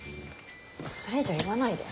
それ以上言わないで。